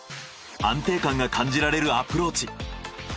安定感が感じられるアプローチ。